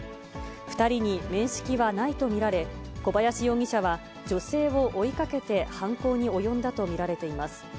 ２人に面識はないと見られ、小林容疑者は女性を追いかけて犯行に及んだと見られています。